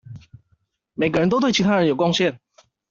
每個人都對其他人有貢獻